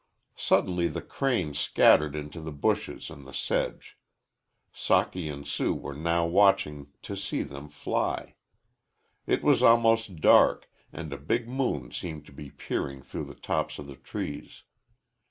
Suddenly the cranes scattered into the bushes and the sedge. Socky and Sue were now watching to see them fly. It was almost dark and a big moon seemed to be peering through the tops of the trees.